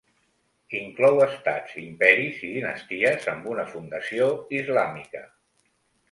Inclou estats, imperis i dinasties amb una fundació islàmica.